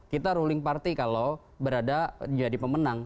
kita ruling party kalau berada jadi pemenang